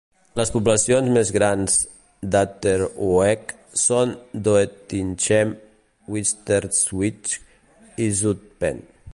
Les poblacions més grans d'Achterhoek són Doetinchem, Winterswijk i Zutphen.